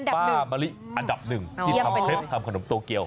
มะลิอันดับหนึ่งที่ทำเคล็ดทำขนมโตเกียว